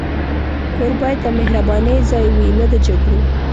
کور باید د مهربانۍ ځای وي، نه د جګړو.